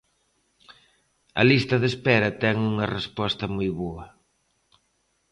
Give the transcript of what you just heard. A lista de espera ten unha resposta moi boa.